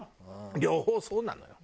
両方そうなのよ。